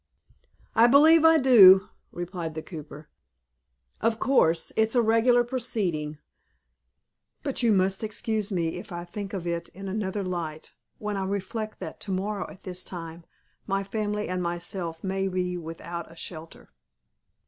"I believe I do," replied the cooper. "Of course, it's a regular proceeding; but you must excuse me if I think of it in another light, when I reflect that to morrow at this time my family and myself may be without a shelter."